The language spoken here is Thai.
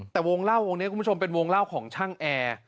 แต่วงเล่าในวงเล่าของช่างแอร์